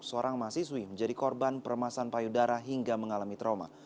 seorang mahasiswi menjadi korban permasan payudara hingga mengalami trauma